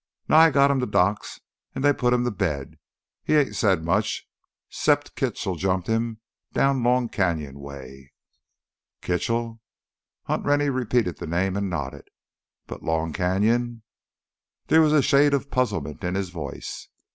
Nye got him to Doc's an' they put him to bed. He ain't said much, 'cept Kitchell jumped him down Long Canyon way——" "Kitchell!" Hunt Rennie repeated the name and nodded. "But ... Long Canyon ..." There was a shade of puzzlement in his voice.